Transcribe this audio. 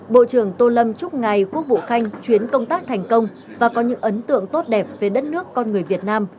bộ trưởng tô lâm chúc ngài quốc vụ khanh chuyến công tác thành công và có những ấn tượng tốt đẹp về đất nước con người việt nam